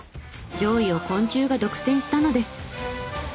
上位を昆虫が独占したのです。